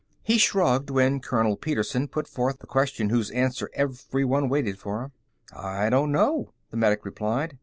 He shrugged when Colonel Petersen put forth the question whose answer everyone waited for. "I don't know," the medic replied.